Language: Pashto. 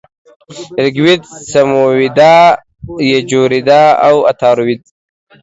ریګ وید، سمویدا، یجوروید او اتارو وید -